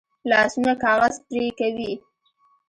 لاسونه کاغذ پرې کوي